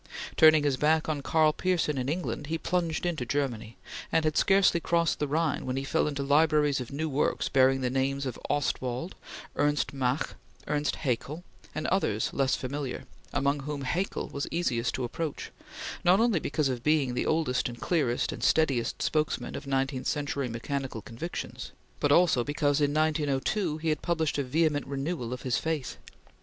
Turning his back on Karl Pearson and England, he plunged into Germany, and had scarcely crossed the Rhine when he fell into libraries of new works bearing the names of Ostwald, Ernst Mach, Ernst Haeckel, and others less familiar, among whom Haeckel was easiest to approach, not only because of being the oldest and clearest and steadiest spokesman of nineteenth century mechanical convictions, but also because in 1902 he had published a vehement renewal of his faith.